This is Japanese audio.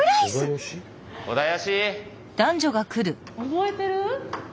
覚えてる？